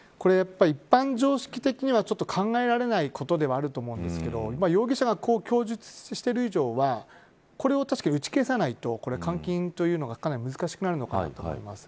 一般常識的にはちょっと考えられないことではあると思うんですけど容疑者がこう供述している以上はこれを確かに、打ち消さないと監禁というのが、かなり難しくなるのかなと思います。